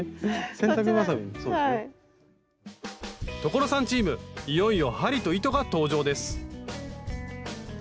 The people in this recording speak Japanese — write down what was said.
所さんチームいよいよ針と糸が登場です